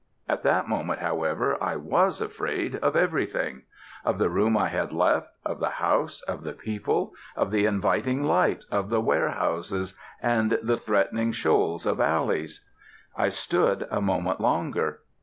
At that moment, however, I was afraid of everything: of the room I had left, of the house, of the people, of the inviting lights of the warehouses and the threatening shoals of the alleys. I stood a moment longer.